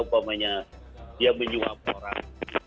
yang kedua upamanya dia menyuap orang